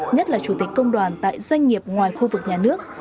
nhất là chủ tịch công đoàn tại doanh nghiệp ngoài khu vực nhà nước